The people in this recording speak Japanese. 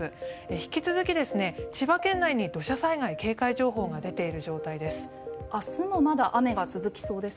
引き続き、千葉県内に土砂災害警戒情報が出ている状態です。